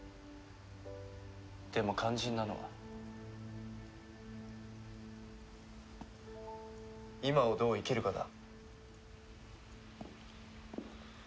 でも肝心なのは今をどう生きるかだ。